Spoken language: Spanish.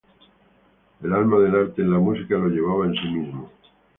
El alma del arte en la música lo llevaba en sí mismo.